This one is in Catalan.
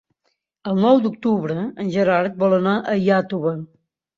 El nou d'octubre en Gerard vol anar a Iàtova.